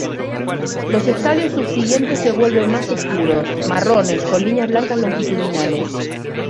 Los estadios subsiguientes se vuelven más oscuros, marrones con líneas blancas longitudinales.